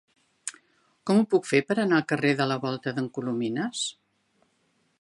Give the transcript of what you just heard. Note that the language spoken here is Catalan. Com ho puc fer per anar al carrer de la Volta d'en Colomines?